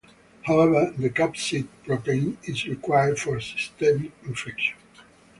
However, the capsid protein is required for systemic infection.